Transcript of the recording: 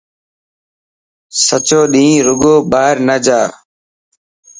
سچو ڏينهن رڳو ٻاهر نه جا.